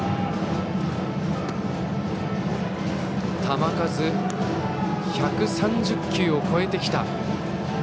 球数が１３０球を超えてきた。